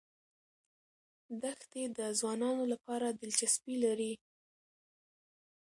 دښتې د ځوانانو لپاره دلچسپي لري.